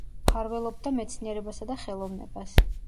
მფარველობდა მეცნიერებასა და ხელოვნებას.